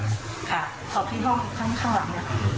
ค่ะสอบที่ห้องข้างหลัง